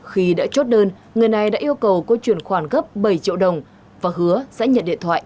khi đã chốt đơn người này đã yêu cầu cô chuyển khoản gấp bảy triệu đồng và hứa sẽ nhận điện thoại